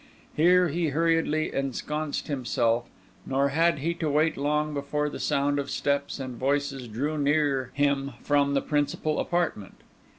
Here he hurriedly ensconced himself; nor had he to wait long before the sound of steps and voices drew near him from the principal apartment.